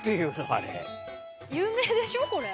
有名でしょこれ。